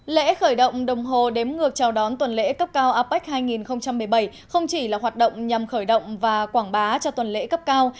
lễ khởi động đồng hồ đếm ngược chào đón tuần lễ cấp cao apec hai nghìn một mươi bảy không chỉ là hoạt động nhằm khởi động và quảng bá cho tuần lễ cấp cao